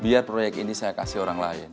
biar proyek ini saya kasih orang lain